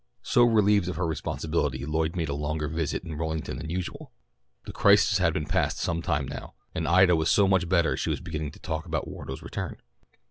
So relieved of her responsibility Lloyd made a longer visit in Rollington than usual. The crisis had been passed some time now, and Ida was so much better she was beginning to talk about Wardo's return.